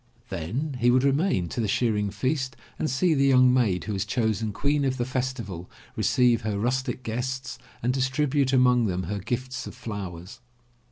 Then he would remain to the shear ing feast and see the young maid who was chosen Queen of the Festival receive her rustic guests and distribute among them her gifts of flowers.